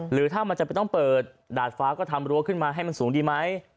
หรือถ้ามันจะต้องเปิดดาดฟ้าก็ทำรั้วขึ้นมาให้มันสูงดีไหม